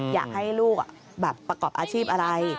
อยากให้ลูกประกอบอาชีพอะไร